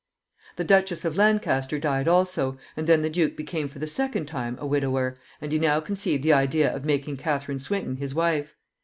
The Duchess of Lancaster died also, and then the duke became for the second time a widower, and he now conceived the idea of making Catharine Swinton his wife.